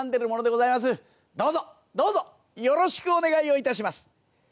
どうぞどうぞよろしくお願いをいたします」。